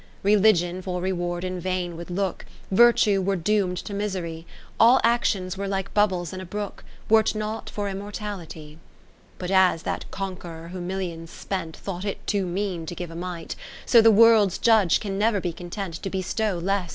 XIV Religion for reward in vain would look, Virtue were doom'd to misery, All actions were like bubbles in a brook, Were 't not for Immortality. XV But as that Conqueror who millions spent Thought it too mean to give a mite ; So the World's Judge can never be content To bestow less than Infinite.